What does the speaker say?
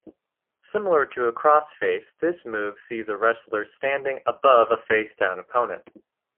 Similar to a crossface this move sees a wrestler standing above a facedown opponent.